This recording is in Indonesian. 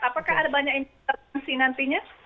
apakah ada banyak intervensi nantinya